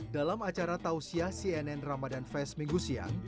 dalam acara tausia cnn ramadhan fest minggu siang